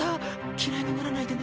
嫌いにならないでね。